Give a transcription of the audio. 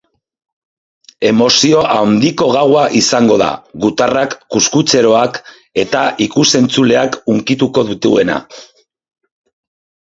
Emozio handiko gaua izango da, gutarrak, kuxkuxeroak eta ikus-entzuleak hunkituko dituena.